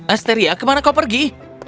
asteria kemana kau pergi